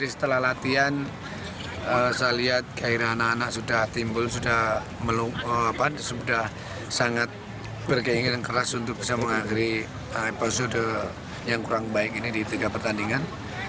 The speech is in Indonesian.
setelah latihan saya lihat gairah anak anak sudah timbul sudah sangat berkeinginan keras untuk bisa mengakhiri episode yang kurang baik ini di tiga pertandingan